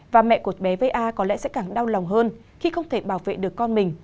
và mẹ của bé va có lẽ sẽ càng đau lòng hơn khi không thể bảo vệ được con mình